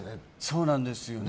そうなんですよね。